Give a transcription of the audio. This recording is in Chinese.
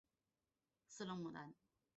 四棱牡丹